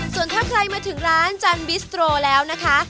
ส่วนถ้าใครมาถึงร้านจันบิสโตรแล้วนะคะ